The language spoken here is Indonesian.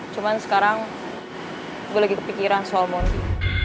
cuma sekarang gue lagi kepikiran soal mondi